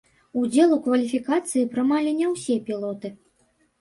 Удзел у кваліфікацыі прымалі не ўсе пілоты.